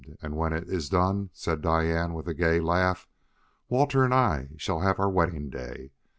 "And when it is done," said Diane with a gay laugh, "Walter and I shall have our wedding day.